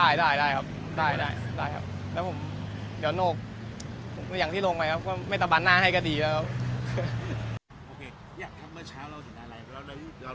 อย่างนี้เราเรียกว่ามันหน้ามันโนกได้หรือครับ